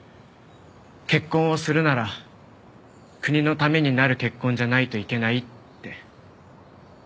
結婚をするなら国のためになる結婚じゃないといけないって。